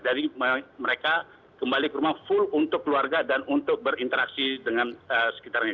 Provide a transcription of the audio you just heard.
jadi mereka kembali ke rumah full untuk keluarga dan untuk berinteraksi dengan sekitarnya